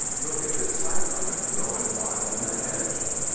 Look at this cyclamen growing wild in the hedge.'